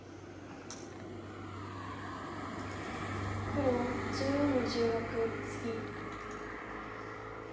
黒１４の十六ツギ。